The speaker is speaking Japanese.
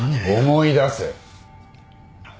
思い出せ。